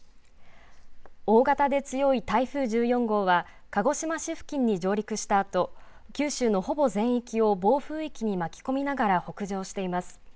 大型で強い台風１４号は鹿児島市付近に上陸したあと九州のほぼ全域を暴風域に巻き込みながら北上しています。